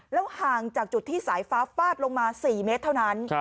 ห่างจากจุดที่สายฟ้าฟาดลงมา๔เมตรเท่านั้น